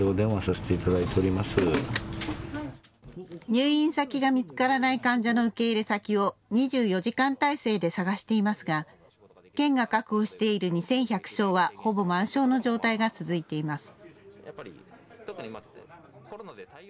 入院先が見つからない患者の受け入れ先を２４時間態勢で探していますが県が確保している２１００床はほぼ満床の状態が続いています。